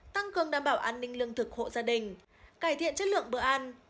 tăng cường đảm bảo an ninh lương thực hộ gia đình cải thiện chất lượng bữa ăn